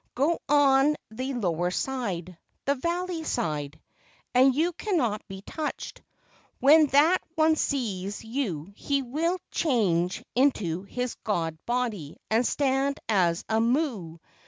Go on the lower side—the valley side—and you cannot be touched. When that one sees you he will change into his god body and stand as a mo o.